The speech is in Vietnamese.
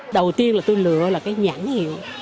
đầu tiên là tôi lựa là cái nhãn hiệu